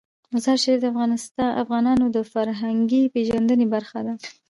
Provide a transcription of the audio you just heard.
مزارشریف د افغانانو د فرهنګي پیژندنې برخه ده.